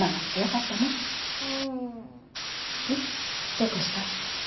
どうかした？